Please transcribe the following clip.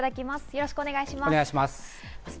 よろしくお願いします。